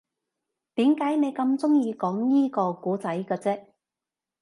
點解你咁鍾意講依個故仔嘅啫